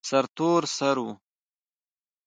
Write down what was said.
سرتور سر و.